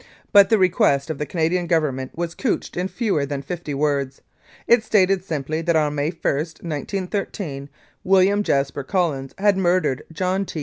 But the request of the CanadianGovernment was couched in fewer than fifty words. It stated simply that on May i, 1913, William Jaspar Collins had murdered John T.